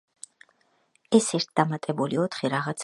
ეს ერთს დამატებული ოთხი რაღაცას უდრის.